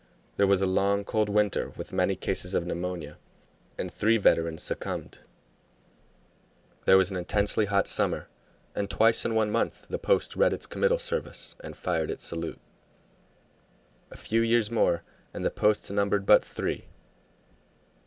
There was a long, cold winter, with many cases of pneumonia, and three veterans succumbed; there was an intensely hot summer, and twice in one month the post read its committal service and fired its salute. A few years more, and the post numbered but three.